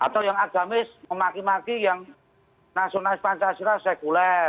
atau yang agamis memaki maki yang nasionalis pancasila sekuler